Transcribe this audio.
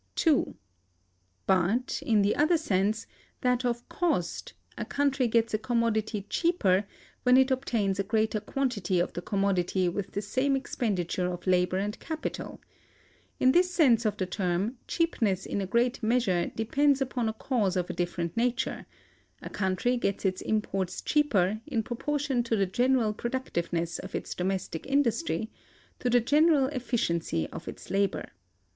(2.) But, in the other sense, that of cost, a country gets a commodity cheaper when it obtains a greater quantity of the commodity with the same expenditure of labor and capital. In this sense of the term, cheapness in a great measure depends upon a cause of a different nature: a country gets its imports cheaper, in proportion to the general productiveness of its domestic industry; to the general efficiency of its labor.